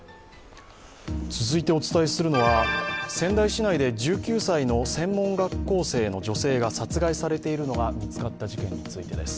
続いてお伝えするのは仙台市内で１９歳の専門学校生の女性が殺害されているのが見つかった事件についてです。